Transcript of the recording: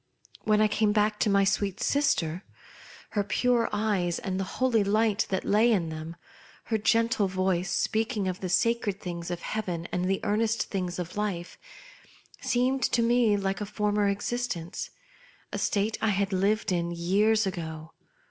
When I came back to my sweet sister, her pure eyes and the holy light that lay in them, her gentle voice speaking of the sacred things of heaven and the earnest things of life, seemed to me like a former existence ; a state I had lived in years ago.